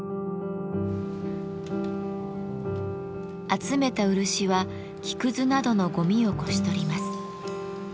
集めた漆は木くずなどのゴミをこし取ります。